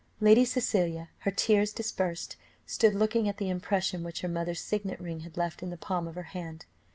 Lady Cecilia, her tears dispersed, stood looking at the impression which her mother's signet ring had left in the palm of her hand.